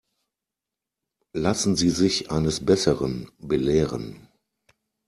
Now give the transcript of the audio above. Lassen Sie sich eines Besseren belehren.